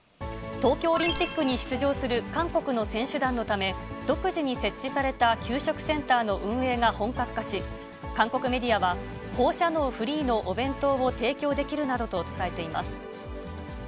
東京オリンピックに出場する韓国の選手団のため、独自に設置された給食センターの運営が本格化し、韓国メディアは、放射能フリーのお弁当を提供できるなどと伝えています。